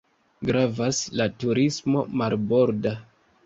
Gravas la turismo marborda.